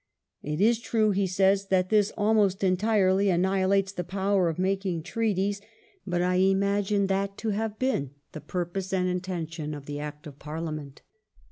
"It is true," he says, "that this almost entirely annihilates the power of making treaties, but I imagine that to have been the purpose and intention of the Act of Parliament."